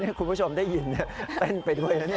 นี่คุณผู้ชมได้ยินเต้นไปด้วยนะเนี่ย